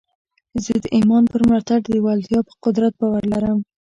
زه د ايمان پر ملاتړ د لېوالتیا پر قدرت باور لرم.